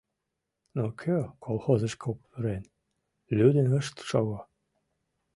Но кӧ колхозышко пурен, лӱдын ышт шого.